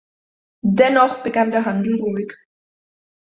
Dennoch begann der Handel ruhig.